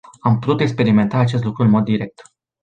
Am putut experimenta acest lucru în mod direct.